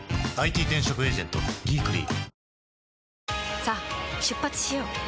さあ出発しよう。